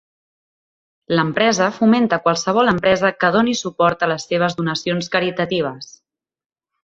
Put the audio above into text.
L'empresa fomenta qualsevol empresa que doni suport a les seves donacions caritatives.